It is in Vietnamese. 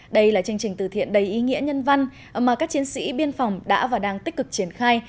đây là chương trình từ thiện đầy ý nghĩa nhân văn mà các chiến sĩ biên phòng đã và đang tích cực triển khai